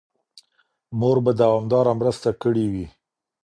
مور به دوامداره مرسته کړې وي.